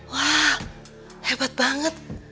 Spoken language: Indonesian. wah hebat banget